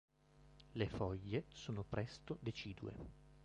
Le foglie sono presto decidue.